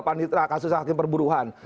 panitra kasus hakim perburuhan